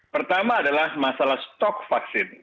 pertama adalah masalah stok vaksin